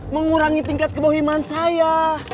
mengurangi tingkat kebohiman saya